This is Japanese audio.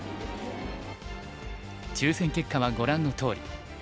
抽選結果はご覧のとおり。